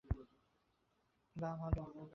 বাহ, ভালো।